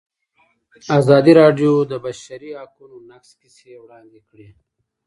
ازادي راډیو د د بشري حقونو نقض کیسې وړاندې کړي.